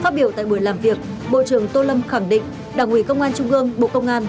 phát biểu tại buổi làm việc bộ trưởng tô lâm khẳng định đảng ủy công an trung gương bộ công an